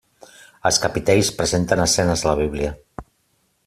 Els capitells presenten escenes de la Bíblia.